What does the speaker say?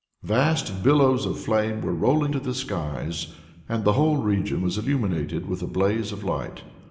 Vast billows of flame were rolling to the skies, and the whole region was illumined with a blaze of light.